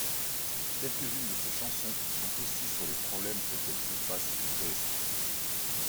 Quelques-unes de ses chansons sont aussi sur les problèmes auxquels font face les adolescents.